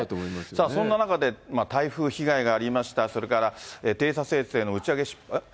そんな中で台風被害がありました、それから偵察衛星の打ち上げ失敗。